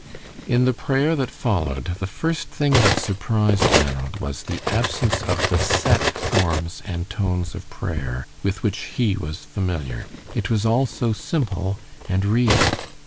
In the prayer that followed, the first thing that surprised Ranald was the absence of the set forms and tones of prayer, with which he was familiar. It was all so simple and real.